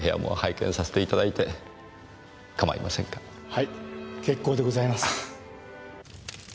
はい結構でございます。